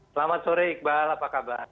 selamat sore iqbal apa kabar